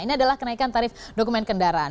ini adalah kenaikan tarif dokumen kendaraan